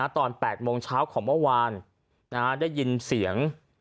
ตอน๘โมงเช้าของเมื่อวานได้ยินเสียง